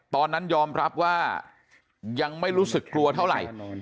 ตอนนั้นยอมรับว่ายังไม่รู้สึกกลัวเท่าไหร่